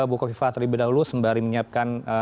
bu kofifa terlebih dahulu sembari menyiapkan